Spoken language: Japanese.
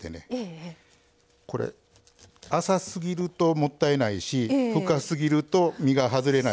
これ浅すぎるともったいないし深すぎると実が外れないし。